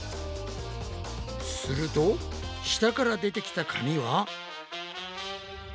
すると下から出てきた紙は？